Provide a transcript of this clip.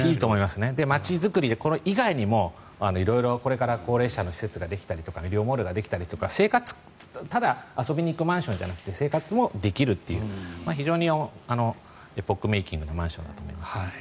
街づくりでこれ以外にもこれから色々高齢者の施設ができたり医療モールができたりただ、遊びに行くマンションだけじゃなくて生活もできるという非常にエポックメイキングなマンションだと思います。